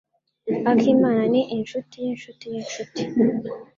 Akimana ni inshuti yinshuti yinshuti.